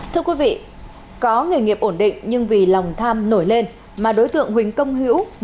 thưa quý vị có nghề nghiệp ổn định nhưng vì lòng tham nổi lên mà đối tượng huỳnh công hữu